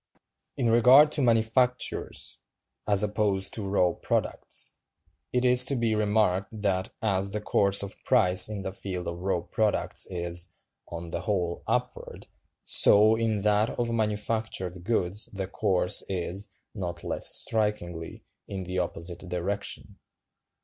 In regard to manufactures, as opposed to raw products, it is to be remarked "that, as the course of price in the field of raw products is, on the whole, upward, so in that of manufactured goods the course is, not less strikingly, in the opposite direction.